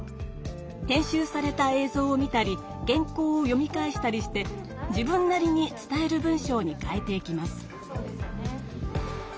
編集された映像を見たり原こうを読み返したりして自分なりに伝える文章に変えていきます。